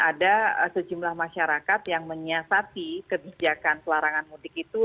ada sejumlah masyarakat yang menyiasati kebijakan pelarangan mudik itu